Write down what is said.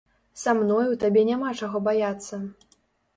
Са мною табе няма чаго баяцца.